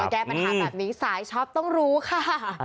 แก้ปัญหาแบบนี้สายช็อปต้องรู้ค่ะ